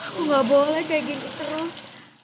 aku nggak boleh kayak gini terus